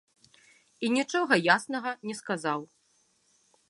І нічога яснага не сказаў.